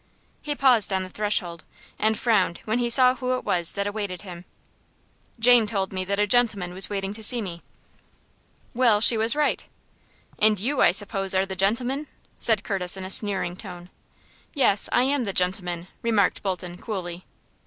He paused on the threshold, and frowned when he saw who it was that awaited him. "Jane told me that a gentleman was waiting to see me," he said. "Well, she was right." "And you, I suppose, are the gentleman?" said Curtis, in a sneering tone. "Yes; I am the gentleman," remarked Bolton, coolly.